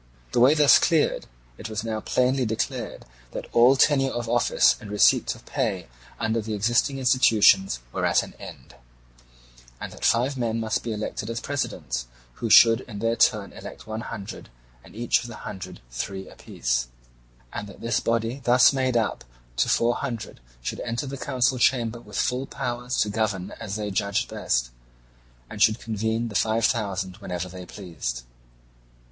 The way thus cleared, it was now plainly declared that all tenure of office and receipt of pay under the existing institutions were at an end, and that five men must be elected as presidents, who should in their turn elect one hundred, and each of the hundred three apiece; and that this body thus made up to four hundred should enter the council chamber with full powers and govern as they judged best, and should convene the five thousand whenever they pleased.